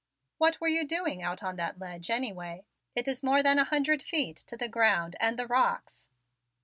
"What were you doing out on that ledge, anyway? It is more than a hundred feet to the ground and the rocks."